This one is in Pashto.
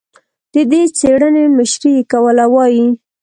د دې څېړنې مشري یې کوله، وايي